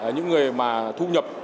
những người mà thu nhập